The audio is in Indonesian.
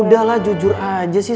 udah lah jujur aja sih